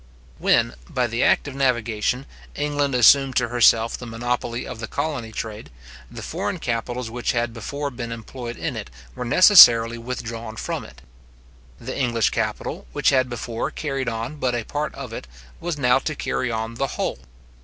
When, by the act of navigation, England assumed to herself the monopoly of the colony trade, the foreign capitals which had before been employed in it, were necessarily withdrawn from it. The English capital, which had before carried on but a part of it, was now to carry on the whole.